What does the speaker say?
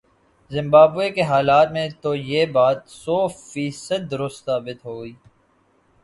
Zimbabwe کے حالات میں تو یہ بات سوفیصد درست ثابت ہوئی۔